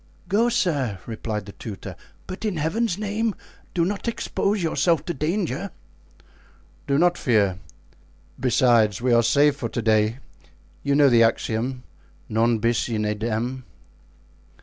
"Go, sir," replied the tutor; "but in Heaven's name do not expose yourself to danger!" "Do not fear. Besides, we are safe for to day; you know the axiom, 'Non bis in idem.